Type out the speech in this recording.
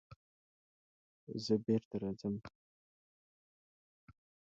زه بېرته راځم.